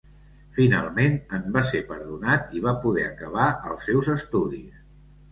Finalment en va ser perdonat i va poder acabar els seus estudis.